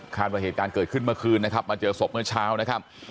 ว่าเหตุการณ์เกิดขึ้นเมื่อคืนนะครับมาเจอศพเมื่อเช้านะครับ